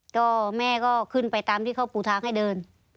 ก็แม่ก็ขึ้นไปตามที่เขาปูทางให้เดิน